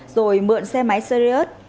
rồi mượn xe máy serious